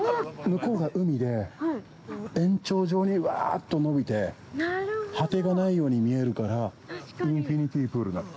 ◆向こうが海で、延長上にうわっと延びて果てがないように見えるからインフィニティプールなの。